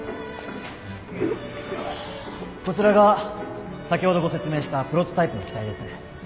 こちらが先ほどご説明したプロトタイプの機体です。